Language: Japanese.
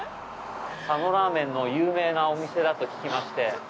佐野ラーメンの有名なお店だと聞きまして。